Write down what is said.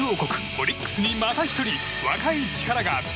オリックスにまた１人、若い力が。